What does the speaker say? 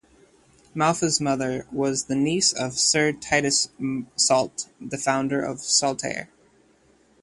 Maufe's mother was the niece of Sir Titus Salt, the founder of Saltaire.